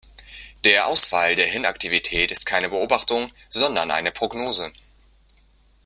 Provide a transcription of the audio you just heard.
Der Ausfall der Hirnaktivität ist keine Beobachtung, sondern eine Prognose.